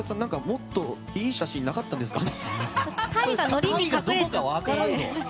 もっといい写真なかったんですか？